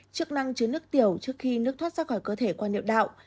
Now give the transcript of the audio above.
chức năng chứa nước tiểu trước khi nước thoát ra khỏi cơ thể qua niệm đạo